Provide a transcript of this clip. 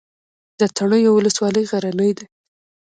د تڼیو ولسوالۍ غرنۍ ده